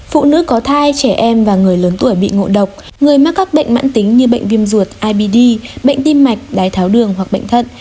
phụ nữ có thai trẻ em và người lớn tuổi bị ngộ độc người mắc các bệnh mãn tính như bệnh viêm ruột ibd bệnh tim mạch đái tháo đường hoặc bệnh thận